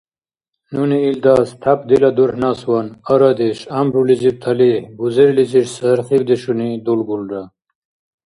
Нуни илдас, тяп дила дурхӀнасван, арадеш, гӀямрулизиб талихӀ, бузерилизир сархибдешуни дулгулра.